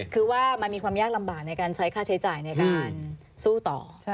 คือว่ามันมีความยากลำบากในการใช้ค่าใช้จ่ายในการสู้ต่อ